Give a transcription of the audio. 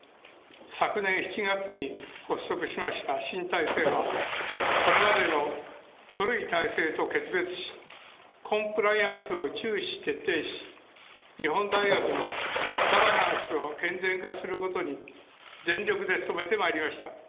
昨年７月に発足しました新体制はこれまでの古い体制と決別し、コンプライアンスを徹底し、日本大学のガバナンスを健全化することに全力で努めてまいりました。